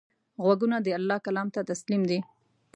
غوږونه د الله کلام ته تسلیم دي